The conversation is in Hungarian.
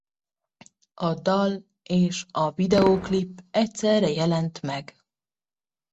A dal és a videóklip egyszerre jelent meg.